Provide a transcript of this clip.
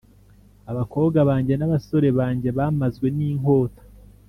abakobwa banjye n’abasore banjye bamazwe n’inkota,